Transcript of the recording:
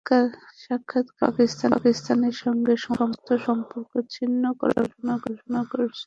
সাক্ষাৎকারে আমি পাকিস্তানের সঙ্গে সমস্ত সম্পর্ক ছিন্ন করার কথা ঘোষণা করি।